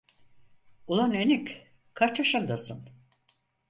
Ulen enik, kaç yaşındasın?